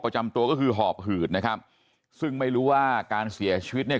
ประจำตัวก็คือหอบหืดนะครับซึ่งไม่รู้ว่าการเสียชีวิตเนี่ย